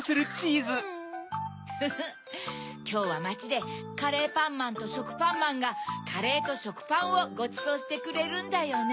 フフっきょうはまちでカレーパンマンとしょくぱんまんがカレーとしょくパンをごちそうしてくれるんだよね。